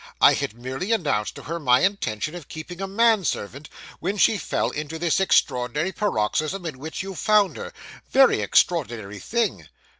I had merely announced to her my intention of keeping a man servant, when she fell into the extraordinary paroxysm in which you found her. Very extraordinary thing.